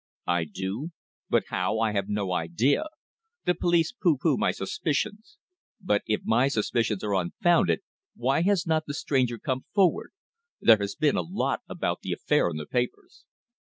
"I do. But how, I have no idea. The police pooh pooh my suspicions. But if my suspicions are unfounded, why has not the stranger come forward? There has been a lot about the affair in the papers."